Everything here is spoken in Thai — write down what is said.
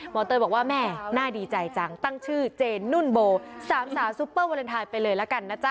เตยบอกว่าแม่น่าดีใจจังตั้งชื่อเจนนุ่นโบสามสาวซุปเปอร์วาเลนไทยไปเลยละกันนะจ๊